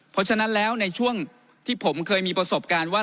เพราะฉะนั้นแล้วในช่วงที่ผมเคยมีประสบการณ์ว่า